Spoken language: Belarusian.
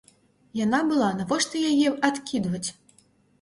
Яна была, навошта яе адкідваць?